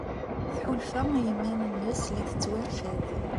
Tḥulfa i yiman-nnes la tettwarfad.